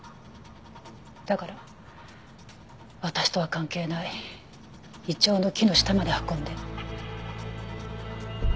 だから私とは関係ないイチョウの木の下まで運んで。